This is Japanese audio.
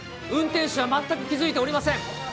運転手は全く気付いておりません。